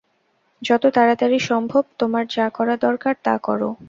যত তাড়াতাড়ি সম্ভব তোমার যা করা দরকার তা করো।